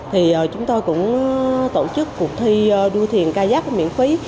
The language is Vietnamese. thì chúng tôi cũng tổ chức cuộc thi đua thiền ca giác miễn phí